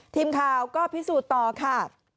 ทีมข่าวก็พิสูจน์ต่อค่ะ